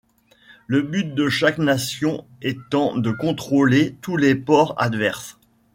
Le but de chaque nation étant de contrôler tous les ports adverses.